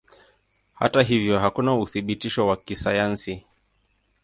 Hata hivyo hakuna uthibitisho wa kisayansi.